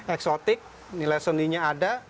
eksotik nilai seninya ada